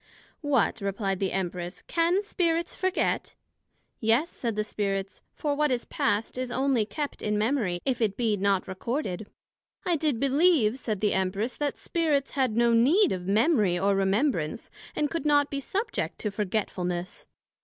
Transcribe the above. What, replied the Empress, Can Spirits forget? Yes, said the Spirits; for what is past, is onely kept in memory, if it be not recorded. I did believe, said the Empress, That Spirits had no need of Memory, or Remembrance, and could not be subject to Forgetfulness.